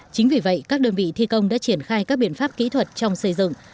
chính vì vậy các đơn vị thi công đã triển khai các biện pháp kỹ thuật trong xây dựng